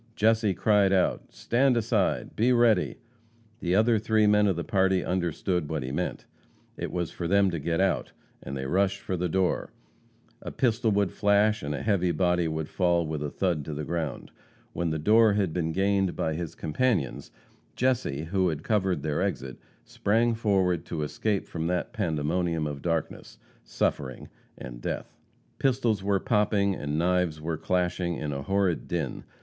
Jesse cried out: "Stand aside! Be ready!" The other three men of the party understood what he meant. It was for them to get out, and they rushed for the door. A pistol would flash and a heavy body would fall with a thud to the ground. When the door had been gained by his companions, Jesse, who had covered their exit, sprang forward to escape from that pandemonium of darkness, suffering and death. Pistols were popping and knives were clashing in a horrid din.